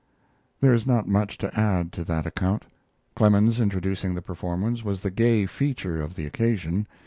There is not much to add to that account. Clemens, introducing the performers, was the gay feature of the occasion.